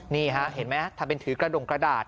นี่ฮะเห็นไหมทำเป็นถือกระดงกระดาษ